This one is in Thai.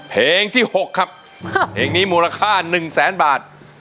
เพลงที่๖ครับเพลงนี้มูลค่า๑แสนบาท